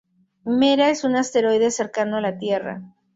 Mera es un asteroide cercano a la Tierra.